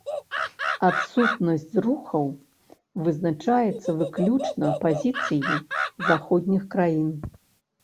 Адсутнасць зрухаў вызначаецца выключна пазіцыяй заходніх краін.